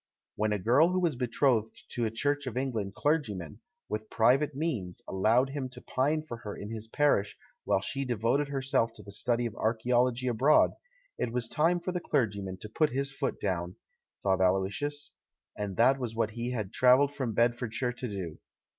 When a girl who was betrothed to a Church of England clergyman, with private means, allowed hitn to pine for her in his parish while she devoted her self to the study of archaeology abroad, it was time for the clergyman to put his foot down. 162 THE MAN WHO UNDERSTOOD WOMEN thought Aloysius. And that was what he had travelled from Bedfordshire to do.